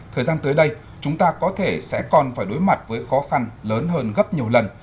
thời gian tới đây chúng ta có thể sẽ còn phải đối mặt với khó khăn lớn hơn gấp nhiều lần